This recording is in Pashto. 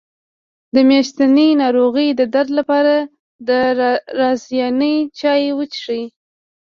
د میاشتنۍ ناروغۍ درد لپاره د رازیانې چای وڅښئ